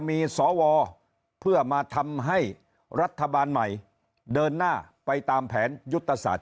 มีสวเพื่อมาทำให้รัฐบาลใหม่เดินหน้าไปตามแผนยุทธศาสตร์